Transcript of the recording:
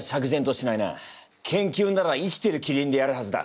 研究なら生きてるキリンでやるはずだ。